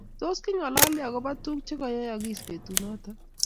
Tos, kingalalel agoba tuguk chegoyeyogis betunoto?